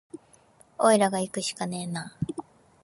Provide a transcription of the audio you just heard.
おいらがいくしかねえな